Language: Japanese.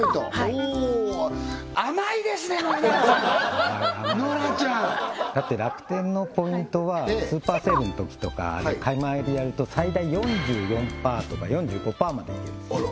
おお甘いですね森永さん甘い甘いノラちゃんだって楽天のポイントはスーパーセールの時とか買い回りやると最大４４％とか４５％までいけるんですあら